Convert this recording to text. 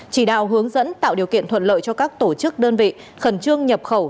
chỉ đạo hướng dẫn tạo điều kiện thuận lợi cho các tổ chức đơn vị khẩn trương nhập khẩu